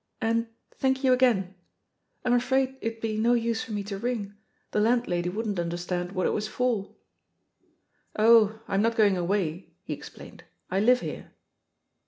"And thank you again* ... I'm afraid it'd be no use for me to ring, the landlady wouldn't understand what it was for." "Oh, I'm not going away," he explained, "i live here."